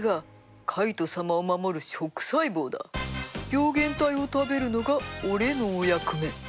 病原体を食べるのが俺のお役目。